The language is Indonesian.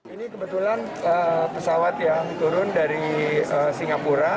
ini kebetulan pesawat yang turun dari singapura